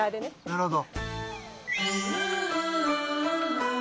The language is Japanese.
なるほど。